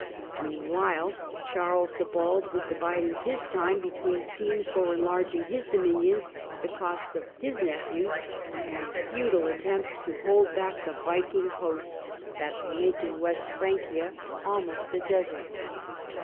Meanwhile Charles the Bald was dividing his time Charles the between schemes for enlarging his dominions at the 8 * 1 * 1 >st of his nephews and futile efforts to hold back the r iking hosts that were making West Francia almost desert.